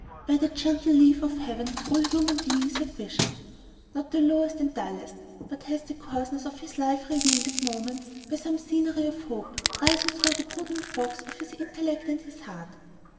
By the gentle leave of Heaven, all human beings have visions. Not the lowest and dullest but has the coarseness of his life relieved at moments by some scenery of hope rising through the brooding fogs of his intellect and his heart.